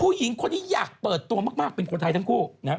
ผู้หญิงคนนี้อยากเปิดตัวมากเป็นคนไทยทั้งคู่นะครับ